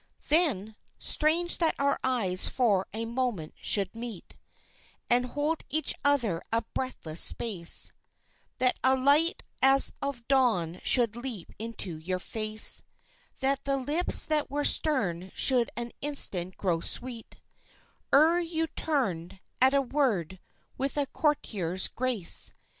Then strange that our eyes for a moment should meet And hold each other a breathless space, That a light as of dawn should leap into your face, That the lips that were stern should an instant grow sweet Ere you turned, at a word, with a courtier's grace.